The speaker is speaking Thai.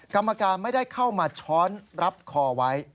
กรรมการไม่ได้เข้ามาช้อนรับคอไว้